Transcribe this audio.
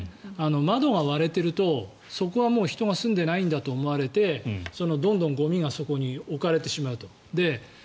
窓が割れているとそこはもう人が住んでないんだと思われてどんどんゴミがそこに置かれてしまうと。